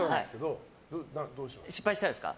失敗したらですか。